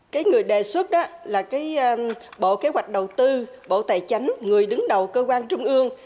cái người đề xuất đó là cái bộ kế hoạch đầu tư bộ tài chính người đứng đầu cơ quan trung ương